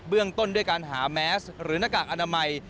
เรื่องต้นด้วยการหาแมสหรือหน้ากากอนามัย